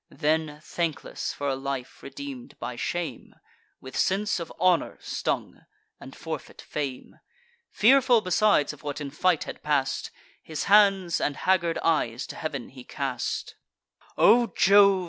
Then, thankless for a life redeem'd by shame, With sense of honour stung, and forfeit fame, Fearful besides of what in fight had pass'd, His hands and haggard eyes to heav'n he cast; "O Jove!"